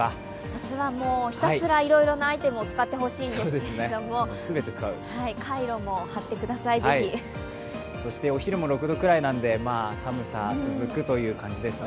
朝はひたすらいろいろなアイテムを使ってほしいですけどお昼も６度くらいなんで寒さ、続くという感じですね。